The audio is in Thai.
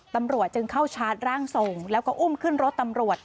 ตำรวจจึงเข้าชาร์จร่างทรงแล้วก็อุ้มขึ้นรถตำรวจ